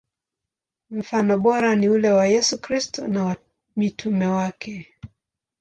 Mfano bora ni ule wa Yesu Kristo na wa mitume wake.